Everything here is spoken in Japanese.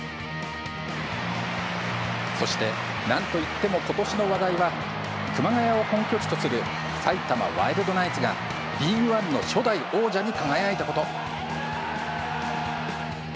そしてなんと言ってもことしの話題は熊谷を本拠地とする埼玉ワイルドナイツがリーグワンの初代王者に輝いたこと。